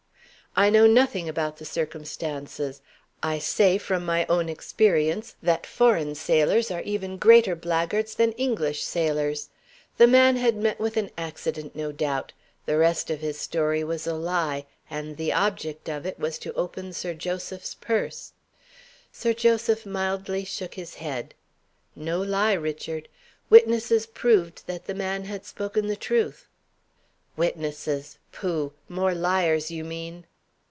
"I know nothing about the circumstances. I say, from my own experience, that foreign sailors are even greater blackguards than English sailors. The man had met with an accident, no doubt. The rest of his story was a lie, and the object of it was to open Sir Joseph's purse." Sir Joseph mildly shook his head. "No lie, Richard. Witnesses proved that the man had spoken the truth." "Witnesses? Pooh! More liars, you mean."